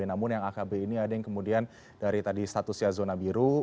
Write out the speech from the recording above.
namun yang akb ini ada yang kemudian dari tadi statusnya zona biru